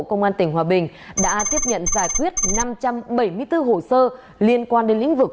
công an tỉnh hòa bình đã tiếp nhận giải quyết năm trăm bảy mươi bốn hồ sơ liên quan đến lĩnh vực